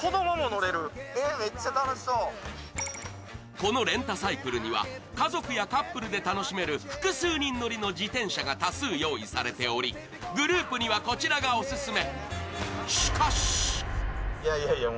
このレンタサイクルには家族やカップルで楽しめる複数人乗りの自転車が多数用意されておりグループにはこちらがオススメ。